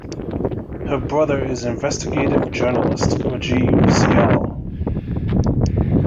Her brother is investigative journalist Rajeev Syal.